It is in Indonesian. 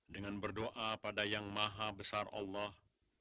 dengan berdoa pada yang maha besar allah